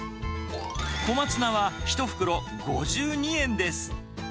小松菜は１袋５２円です。